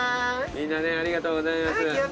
みんなねありがとうございます。